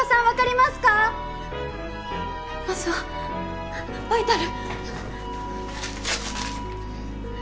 まずはバイタル！